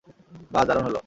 বাহ, দারুণ হলো!